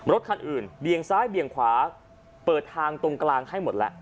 รถคันอื่นเบี่ยงซ้ายเบี่ยงขวาเปิดทางตรงกลางให้หมดแล้ว